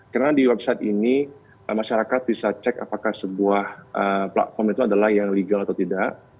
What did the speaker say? karena di website ini masyarakat bisa cek apakah sebuah platform itu adalah yang legal atau tidak